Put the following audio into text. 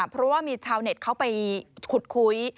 เพราะว่ามีชาวเน็ตเขาไปขุดคุย